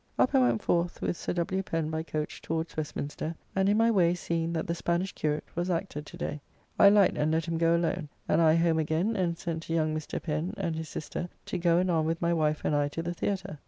Up and went forth with Sir W. Pen by coach towards Westminster, and in my way seeing that the "Spanish Curate" was acted today, I light and let him go alone, and I home again and sent to young Mr. Pen and his sister to go anon with my wife and I to the Theatre.